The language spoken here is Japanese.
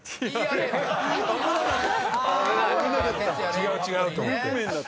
違う違うと思って。